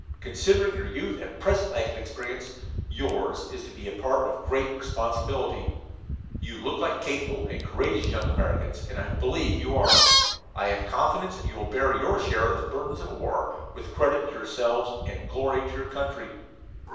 Considering your youth and present lack of experience, yours is to be a part of great responsibility. You look like capable and courageous young Americans, and I believe you are. I have confidence that you will bear your share of the burdens of war with credit to yourselves and glory to your country.